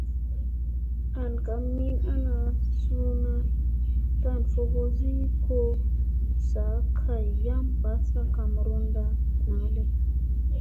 An ka min ana suuna tlan fogosi ko saa kay yam ɓassa kamerunda naɗi.